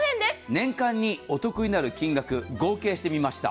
年間にお得になる金額、合計してみました。